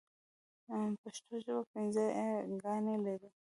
پښتو ژبه پنځه ی ګانې لري.